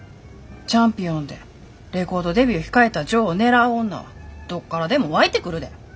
チャンピオンでレコードデビュー控えたジョーを狙う女はどっからでもわいてくるで！